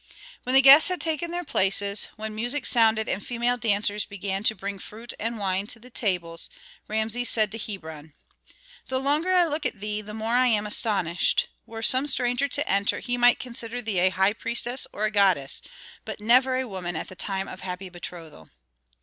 When the guests had taken their places, when music sounded and female dancers began to bring fruit and wine to the tables, Rameses said to Hebron, "The longer I look at thee, the more I am astonished. Were some stranger to enter he might consider thee a high priestess or a goddess, but never a woman at the time of happy betrothal."